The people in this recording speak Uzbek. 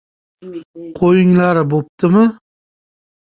— Qo‘yinglari bo‘ptimi?